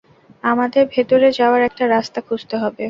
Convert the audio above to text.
আমাদের ভেতরে যাওয়ার একটা রাস্তা খুঁজতে হবে।